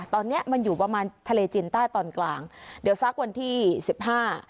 ตอนเนี้ยมันอยู่ประมาณทะเลจีนใต้ตอนกลางเดี๋ยวสักวันที่สิบห้า